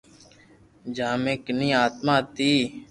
جآ مي ڪني آتما ھتي